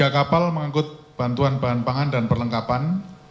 tiga kapal mengangkut bantuan bahan pangan dan perlengkapan